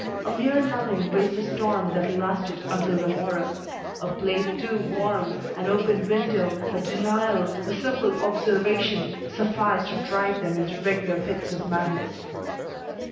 A mere nothing raised a storm that lasted until the morrow. A plate too warm, an open window, a denial, a simple observation, sufficed to drive them into regular fits of madness.